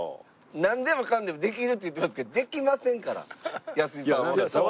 なんでもかんでもできるって言ってますけどできませんから安井さんは。なんでやねん！